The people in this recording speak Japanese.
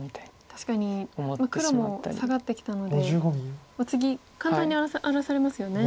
確かに黒もサガってきたので次簡単に荒らされますよね。